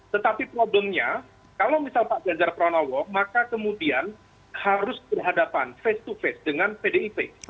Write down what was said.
tetapi problemnya kalau misal pak ganjar pranowo maka kemudian harus berhadapan face to face dengan pdip